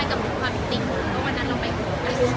เพราะที่น่ารักมาก